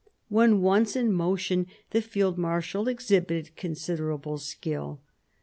When once in motion, the field marshal exhibited considerable skill.